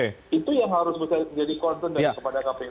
itu yang harus bisa jadi concern kepada kpu